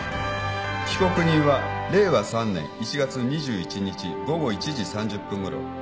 被告人は令和３年１月２１日午後１時３０分ごろ。